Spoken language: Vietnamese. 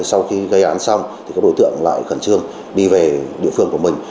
sau khi gây án xong thì các đối tượng lại khẩn trương đi về địa phương của mình